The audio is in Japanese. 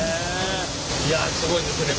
いやすごいですね